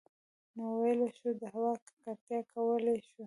نـو ٫ويلـی شـوو د هـوا ککـړتـيا کـولی شـي